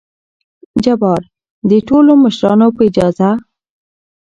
جبار : دې ټولو مشرانو په اجازه!